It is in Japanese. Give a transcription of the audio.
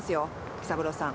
紀三郎さん。